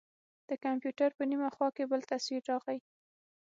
د کمپيوټر په نيمه خوا کښې بل تصوير راغى.